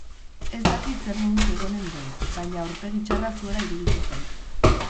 Ez dakit zer moduz egonen den, baina aurpegi txarra zuela iruditu zait.